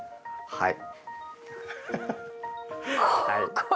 はい。